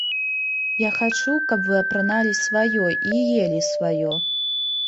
Я хачу, каб вы апраналі сваё і елі сваё.